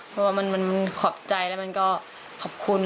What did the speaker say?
เพราะว่ามันขอบใจแล้วมันก็ขอบคุณ